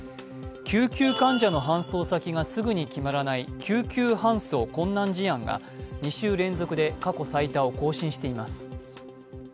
救急患者の搬送先がすぐに決まらない救急搬送困難事案が２週連続で過去最多を更新しています。